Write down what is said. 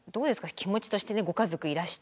気持ちとしてねご家族いらして。